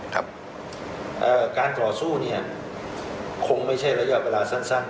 การต่อสู้เนี่ยคงไม่ใช่ระยะเวลาสั้น